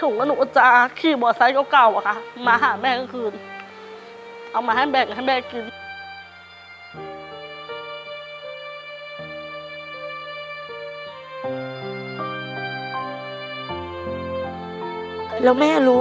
รู้รู้แต่ก็มีความสุขกินด้วยกันนะลูก